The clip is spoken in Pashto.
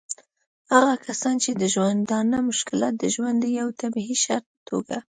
هغه کسان چې د ژوندانه مشکلات د ژوند د یوه طبعي شرط په توګه